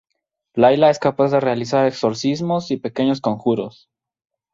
Layla es capaz de realizar exorcismos y pequeños conjuros.